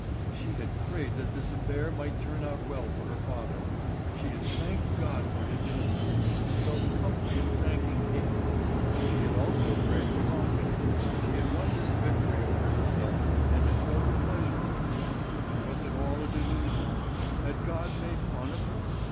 She had prayed that this affair might turn out well for her father. She had thanked God for his innocence, and felt a comfort in thanking Him. She had also prayed for Wangen; she had won this victory over herself and had felt a pleasure in it. And was it all a delusion? Had God made fun of her?